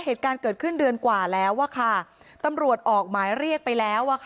เหตุการณ์เกิดขึ้นเดือนกว่าแล้วอะค่ะตำรวจออกหมายเรียกไปแล้ว